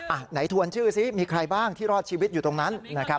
ไหนทวนชื่อซิมีใครบ้างที่รอดชีวิตอยู่ตรงนั้น